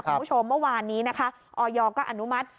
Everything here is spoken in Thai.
คุณผู้ชมเมื่อวานนี้นะคะออยก็อนุมัติ